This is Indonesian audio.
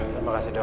terima kasih dok